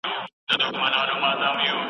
ما پخوا دا ځای لیدلی و.